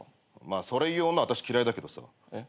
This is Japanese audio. まあそれ言う女あたし嫌いだけどさ。